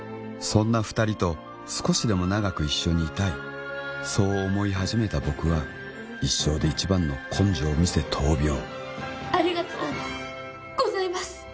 そんな二人と少しでも長く一緒にいたいそう思い始めた僕は一生で一番の根性を見せ闘病ありがとうございます